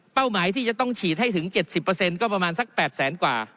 หมายที่จะต้องฉีดให้ถึง๗๐ก็ประมาณสัก๘แสนกว่า